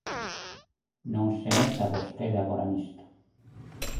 Non se meta vostede agora nisto.